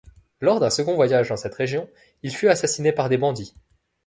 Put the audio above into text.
Lors d'un second voyage dans cette région, il fut assassiné par des bandits.